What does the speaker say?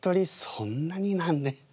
そんなになんで。